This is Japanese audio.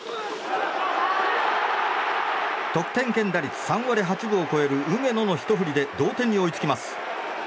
得点圏打率３割８分を超える梅野のひと振りで同点に追いつきます。